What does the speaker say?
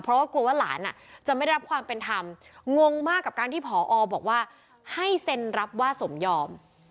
เพราะว่ากลัวว่าหลานจะไม่ได้รับความเป็นธรรมงมากกับการที่ผอบอกว่าให้เซ็นรับว่าสมยอม